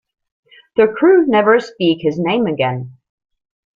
The crew never speak his name again.